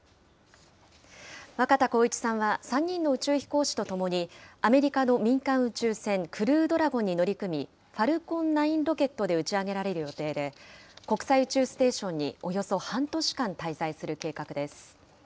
若田光一さんは３人の宇宙飛行士と共に、アメリカの民間宇宙船、クルードラゴンに乗り組み、ファルコン９ロケットで打ち上げられる予定で、国際宇宙ステーションにおよそ半年間、滞在する計画です。